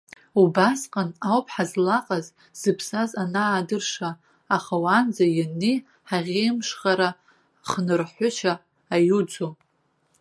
Убасҟан ауп ҳазлаҟаз зыԥсаз анаадырша, аха уанӡа ианнеи, ҳаӷеимшхара, хнырҳәышьа аиуӡом.